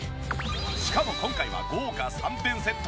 しかも今回は豪華３点セット。